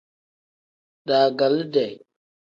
Daagaliide.